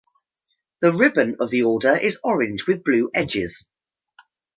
The "ribbon" of the Order is orange with blue edges.